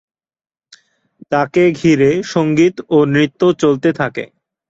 তাকে ঘিরে সঙ্গীত ও নৃত্য চলতে থাকে।